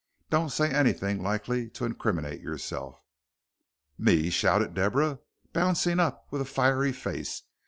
"Don't say anything likely to incriminate yourself." "Me!" shouted Deborah, bouncing up with a fiery face.